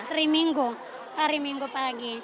hari minggu hari minggu pagi